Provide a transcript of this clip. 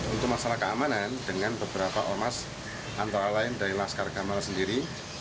untuk masalah keamanan dengan beberapa ormas antara lain dari laskar gamal sendiri